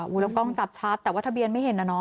แล้วกล้องจับชัดแต่ว่าทะเบียนไม่เห็นนะเนาะ